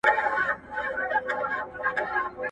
چي زما او ستا بايده دي، ليري او نژدې څه دي.